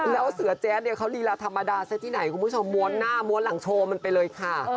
แล้วเสือแจ๊ดเนี่ยเขาลีลาธรรมดาซะที่ไหนคุณผู้ชมม้วนหน้าม้วนหลังโชว์มันไปเลยค่ะ